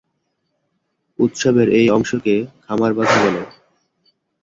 উৎসবের এই অংশকে খামার বাঁধা বলে।